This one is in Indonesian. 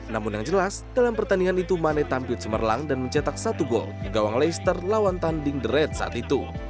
namun yang jelas dalam pertandingan itu mane tampil cemerlang dan mencetak satu gol di gawang leicester lawan tanding the red saat itu